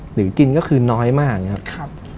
หรือกินก็คือน้อยมาก